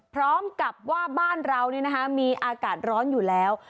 พร้อมกับว่าบ้านเรามีอากาศร้อนอยู่แล้ว